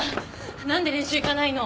なんで練習行かないの？